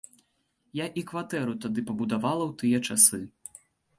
Я і кватэру тады пабудавала ў тыя часы.